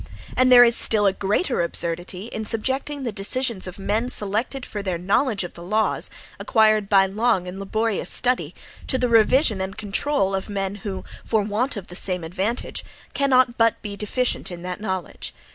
And there is a still greater absurdity in subjecting the decisions of men, selected for their knowledge of the laws, acquired by long and laborious study, to the revision and control of men who, for want of the same advantage, cannot but be deficient in that knowledge.